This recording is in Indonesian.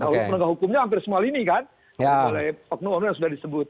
nah oknum penegak hukumnya hampir semua ini kan oleh oknum orang yang sudah disebut